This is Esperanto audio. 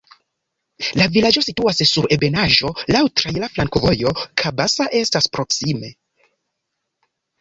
La vilaĝo situas sur ebenaĵo, laŭ traira flankovojo, Kaba estas proksime.